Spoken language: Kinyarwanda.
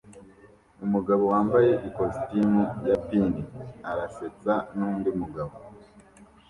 Umugabo wambaye ikositimu ya pin arasetsa nundi mugabo